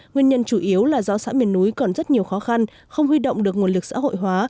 nguyên nhân chủ yếu là do xã miền núi còn rất nhiều khó khăn không huy động được nguồn lực xã hội hóa